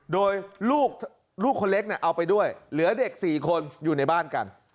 โดยลูกคนเล็กเอาไปด้วยเหลือเด็ก๔คนอยู่ในบ้านกัน